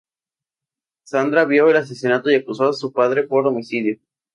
Sandra vio el asesinato y acusó a su padre por homicidio.